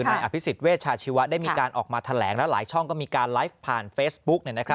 นายอภิษฎเวชาชีวะได้มีการออกมาแถลงแล้วหลายช่องก็มีการไลฟ์ผ่านเฟซบุ๊ก